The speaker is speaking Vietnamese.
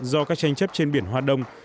do các tranh chấp trên biển hoa đông